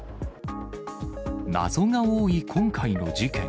謎が多い今回の事件。